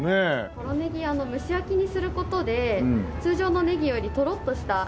ポロネギ蒸し焼きにする事で通常のネギよりトロっとした食感に。